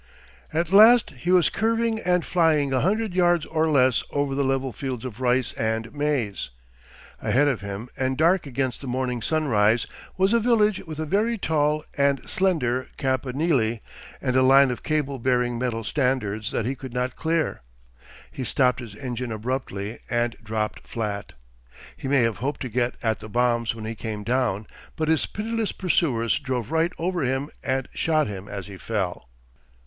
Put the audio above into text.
At last he was curving and flying a hundred yards or less over the level fields of rice and maize. Ahead of him and dark against the morning sunrise was a village with a very tall and slender campanile and a line of cable bearing metal standards that he could not clear. He stopped his engine abruptly and dropped flat. He may have hoped to get at the bombs when he came down, but his pitiless pursuers drove right over him and shot him as he fell.